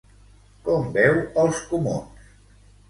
Com veu els comuns?